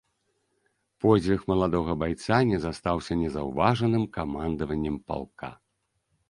Подзвіг маладога байца не застаўся незаўважаным камандаваннем палка.